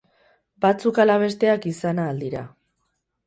Batzuk ala besteak izan ahal dira.